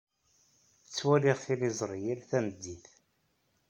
Ttwaliɣ tiliẓri yal tameddit.